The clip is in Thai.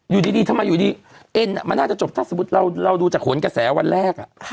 อยู่ดีทำไมอยู่ดีเอ็นมันน่าจะจบถ้าสมมุติเราดูจากขนกระแสวันแรก